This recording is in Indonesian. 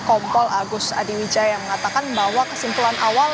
kompol agus adiwijaya mengatakan bahwa kesimpulan awal